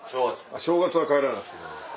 正月は帰らないですね。